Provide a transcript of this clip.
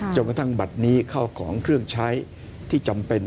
กระทั่งบัตรนี้เข้าของเครื่องใช้ที่จำเป็น